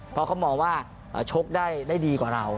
เพราะเขามองว่าชกได้ดีกว่าเรา